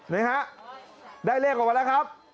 นี่ฮะได้เลขออกมาแล้วครับ